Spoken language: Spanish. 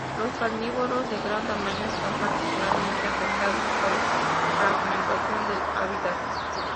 Los carnívoros de gran tamaño están particularmente afectados por la fragmentación del hábitat.